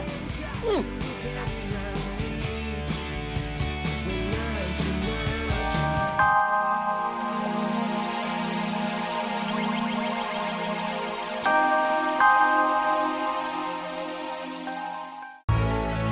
nih gara gara dia nih